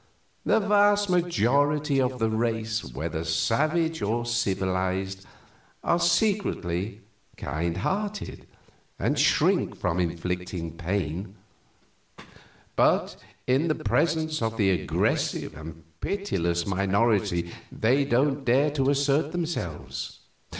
The vast majority of the race, whether savage or civilized, are secretly kind hearted and shrink from inflicting pain, but in the presence of the aggressive and pitiless minority they don't dare to assert themselves.